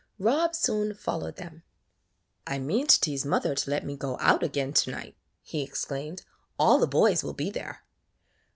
Rob soon followed them. "I mean to tease mother to let me go out again to night," he exclaimed. "All the boys will be there."